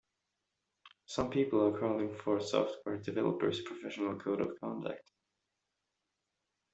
Some people are calling for a software developers' professional code of conduct.